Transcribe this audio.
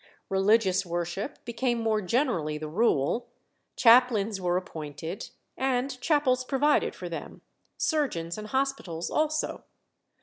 Religious worship became more generally the rule; chaplains were appointed, and chapels provided for them; surgeons and hospitals also.